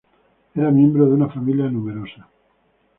Era miembro de una familia numerosa.